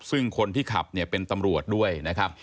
ซึ่งคนที่ขับเนี่ยเป็นตำรวจด้วยนะครับ